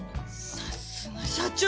さすが社長！